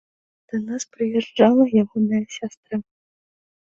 Да нас прыязджала ягоная сястра.